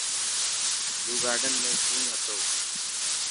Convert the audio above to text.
زو گارڊن ۾ شين هتو.